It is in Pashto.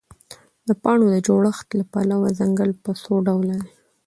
د پاڼو د جوړښت له پلوه ځنګل په څوډوله دی؟